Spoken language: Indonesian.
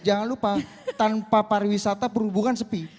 jangan lupa tanpa pariwisata perhubungan sepi